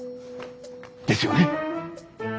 ですよね？